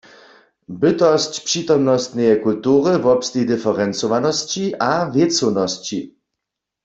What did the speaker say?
Bytosć přitomnostneje kultury wobsteji w diferencowanosći a wěcownosći.